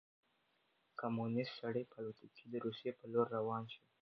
کمونیست سړی په الوتکه کې د روسيې په لور روان شو.